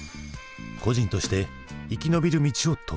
個人として生き延びる道を説く。